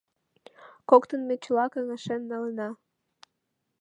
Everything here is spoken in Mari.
Коктын ме чыла каҥашен налына.